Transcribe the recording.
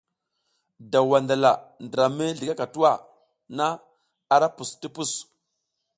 Daw wandala ndra mi zligaka tuwa na ara pus ti pus.